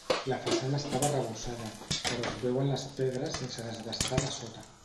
La façana estava arrebossada, però es veuen les pedres sense desbastar de sota.